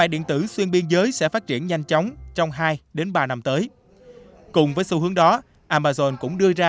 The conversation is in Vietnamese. vì như ban đầu tôi nói rồi là